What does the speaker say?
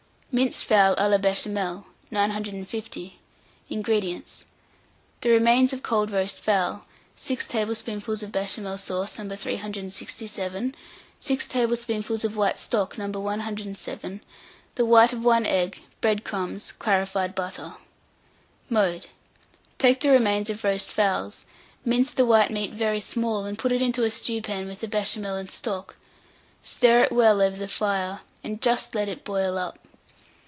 MINCED FOWL A LA BECHAMEL. 950. INGREDIENTS. The remains of cold roast fowl, 6 tablespoonfuls of Béchamel sauce No. 367, 6 tablespoonfuls of white stock No. 107, the white of 1 egg, bread crumbs, clarified butter. Mode. Take the remains of roast fowls, mince the white meat very small, and put it into a stewpan with the Béchamel and stock; stir it well over the fire, and just let it boil up.